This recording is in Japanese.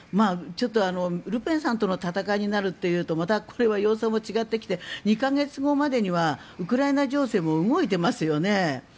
ちょっと、ルペンさんとの戦いになるというとまたこれは様相も違ってきて２か月後までにはウクライナ情勢も動いてますよね。